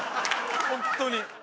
ホントに。